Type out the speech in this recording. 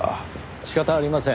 仕方ありません。